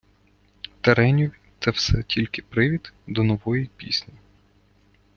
Тереньові те все тільки привід до нової пісні.